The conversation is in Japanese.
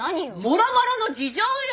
もろもろの事情よ！